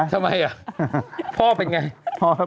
ทำไมพ่อเป็นอย่างไร